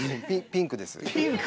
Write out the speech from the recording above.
ピンクです。